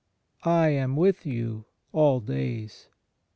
I am with you all days."